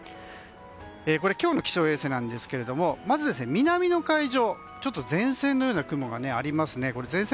これは今日の気象衛星なんですがまず、南の海上に前線のような雲がありますね。